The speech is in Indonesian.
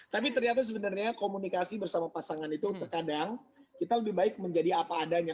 tapi ternyata sebenarnya komunikasi bersama pasangan itu terkadang kita lebih baik menjadi apa adanya